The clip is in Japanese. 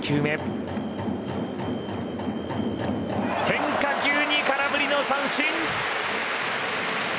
変化球に空振りの三振！